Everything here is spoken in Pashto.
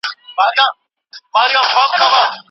غازي امان الله خان د نجونو لپاره لومړی ښوونځی جوړ کړ.